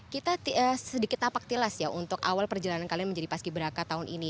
kita sedikit tapak tilas ya untuk awal perjalanan kalian menjadi pas ki braka tahun ini